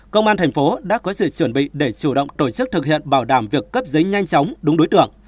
công an thành phố đã có sự chuẩn bị để chủ động tổ chức thực hiện bảo đảm việc cấp giấy nhanh chóng đúng đối tượng